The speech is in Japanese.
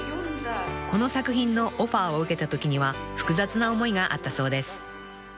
［この作品のオファーを受けたときには複雑な思いがあったそうです］